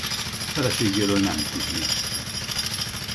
Feleségéről nem tudni.